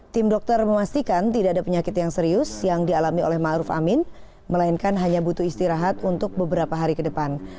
tim dokter memastikan tidak ada penyakit yang serius yang dialami oleh ⁇ maruf ⁇ amin melainkan hanya butuh istirahat untuk beberapa hari ke depan